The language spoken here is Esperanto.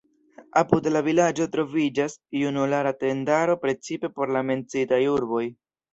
Apud la vilaĝo troviĝas junulara tendaro precipe por la menciitaj urboj.